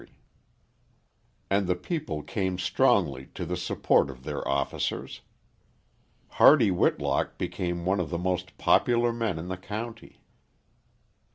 Photograph by Edmondson] And the people came strongly to the support of their officers. Hardy Whitlock became one of the most popular men in the county.